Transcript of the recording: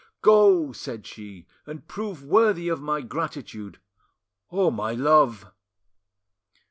"Go!" said she, "and prove worthy of my gratitude—or my love."